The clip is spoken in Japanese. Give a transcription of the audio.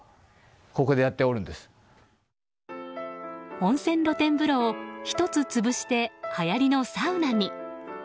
温泉露天風呂を１つ潰してはやりのサウナに。